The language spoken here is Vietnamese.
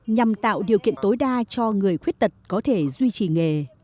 nhằm tạo điều kiện tối đa cho người khuyết tật có thể duy trì nghề